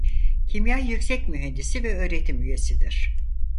Kimya Yüksek Mühendisi ve Öğretim Üyesidir.